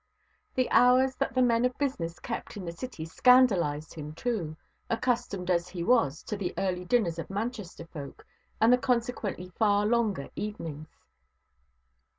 The hours that the men of business kept in the city scandalized him too, accustomed as he was to the early dinners of Manchester folk and the consequently far longer evenings.